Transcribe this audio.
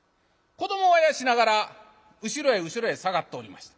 子どもをあやしながら後ろへ後ろへ下がっておりました。